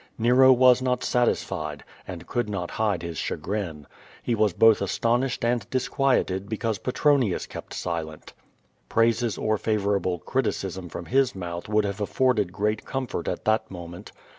Xero was not satisfied, and couM not hide his chagrin. He was both astonished and dis quieted because Petronius kept silent. Praises or favorable criticism from his mouth would have afforded great comfort at that moment.